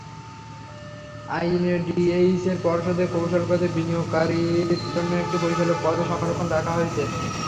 আইনে ডিএসইর পর্ষদে কৌশলগত বিনিয়োগকারীর জন্য একটি পরিচালক পদও সংরক্ষিত রাখা হয়েছে।